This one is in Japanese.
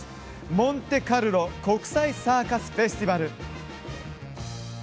モンテカルロ国際サーカスフェスティバル。